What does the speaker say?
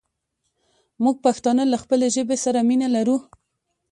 مونږ پښتانه له خپلې ژبې سره مينه لرو